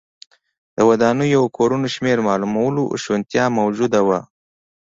د ودانیو او کورونو شمېر معلومولو شونتیا موجوده وه